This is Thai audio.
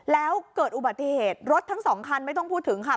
แล้วเกิดอุบัติเหตุรถทั้งสองคันไม่ต้องพูดถึงค่ะ